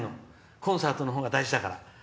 コンサートの方が大事だから。